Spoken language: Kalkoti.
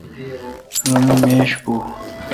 رو می میش پو۔